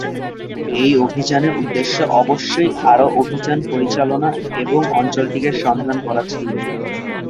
এই অভিযানের উদ্দেশ্য অবশ্যই আরও অভিযান পরিচালনা এবং অঞ্চলটি সন্ধান করা ছিল।